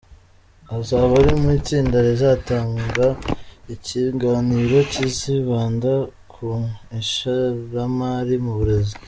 Azaba ari mu itsinda rizatanga ikiganiro kizibanda ku ishoramari mu burezi.